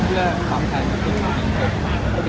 เพื่อความแข็งสุขภูมิได้ไว้